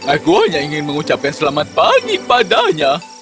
aku hanya ingin mengucapkan selamat pagi padanya